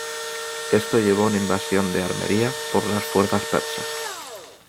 Esto llevó a una invasión de Armenia por las fuerzas persas.